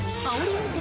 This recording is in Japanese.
運転